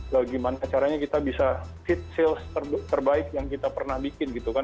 bagaimana caranya kita bisa feed sales terbaik yang kita pernah bikin gitu kan